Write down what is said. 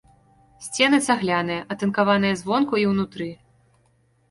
Сцены цагляныя, атынкаваныя звонку і ўнутры.